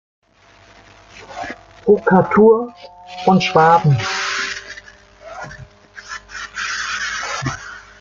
Prokurator von Schwaben.